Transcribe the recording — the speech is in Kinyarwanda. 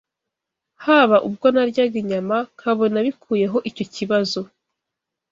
Haba ubwo naryaga inyama nkabona bikuyeho icyo kibazo